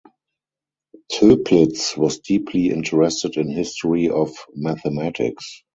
Toeplitz was deeply interested in history of mathematics.